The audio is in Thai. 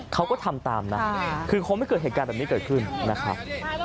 เขาก็ทำตามนะคือคงไม่เกิดเหตุการณ์แบบนี้เกิดขึ้นนะครับ